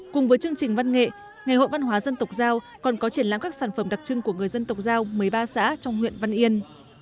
cùng với chương trình văn nghệ ngày hội văn hóa dân tộc giao còn có triển lãm các sản phẩm đặc trưng của người dân tộc giao một mươi ba xã trong huyện văn yên